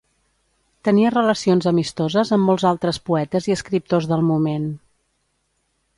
Tenia relacions amistoses amb molts altres poetes i escriptors del moment.